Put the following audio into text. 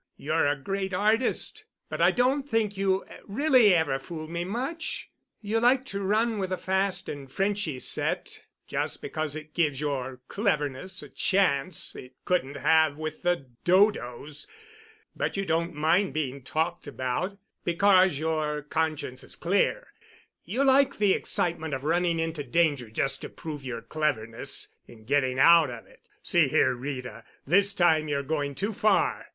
You're a great artist, but I don't think you really ever fooled me much. You like to run with a fast and Frenchy set just because it gives your cleverness a chance it couldn't have with the Dodos, but you don't mind being talked about, because your conscience is clear; you like the excitement of running into danger just to prove your cleverness in getting out of it. See here, Rita, this time you're going too far.